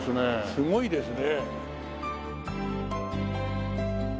すごいですね。